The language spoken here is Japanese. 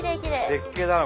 絶景だな